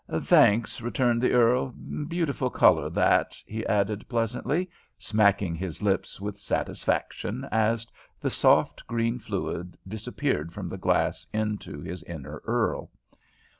"Thanks," returned the earl. "Beautiful color that," he added, pleasantly, smacking his lips with satisfaction as the soft green fluid disappeared from the glass into his inner earl.